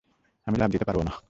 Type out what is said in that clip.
আমি লাফ দিতে পারবো না।